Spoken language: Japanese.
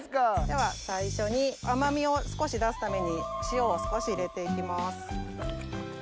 では最初に甘味を少し出すために塩を少し入れて行きます。